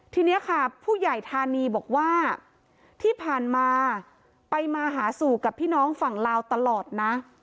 ทีนี้ค่ะผู้ใหญ่ธานีบอกว่าที่ผ่านมาไปมาหาสู่กับพี่น้องฝั่งลาวตลอดนะ